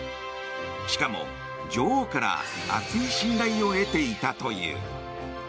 しかも、女王から厚い信頼を得ていたという。